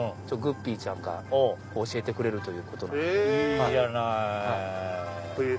グッピーちゃんが教えてくれるということなんで。